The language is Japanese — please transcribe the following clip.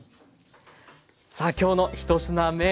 さあ今日の１品目